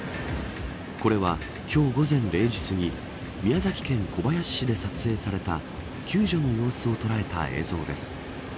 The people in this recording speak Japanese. これは、今日午前０時すぎ宮崎県小林市で撮影された救助の様子を捉えた映像です。